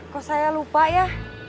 kok saya lupa ya